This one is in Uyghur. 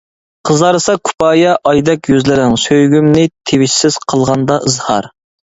قىزارسا كۇپايە ئايدەك يۈزلىرىڭ، سۆيگۈمنى تىۋىشسىز قىلغاندا ئىزھار.